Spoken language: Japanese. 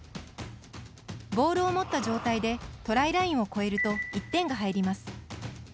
ボールを持った状態でトライラインを越えると１点が入ります。